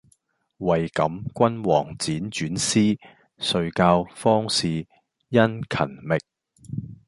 為感君王輾轉思，遂教方士殷勤覓。